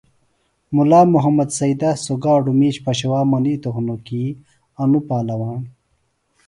مُلا محمد سیدہ سوۡ گاڈوۡ مِش پشوا منِیتوۡ ہِنوۡ کی انوۡ پالواݨ